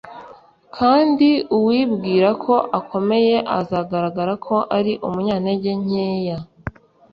kandi uwibwira ko akomeye azagaragara ko ari umunyantege nkeya,